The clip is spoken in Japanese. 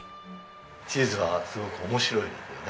チーズはすごく面白いですよね。